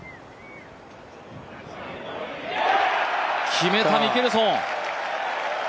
決めた、ミケルソン！